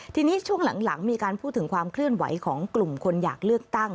ทีนี้ช่วงหลังมีการพูดถึงความเคลื่อนไหวของกลุ่มคนอยากเลือกตั้ง